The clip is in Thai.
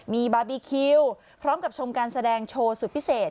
มีบาร์บีคิวพร้อมกับชมการแสดงโชว์สุดพิเศษ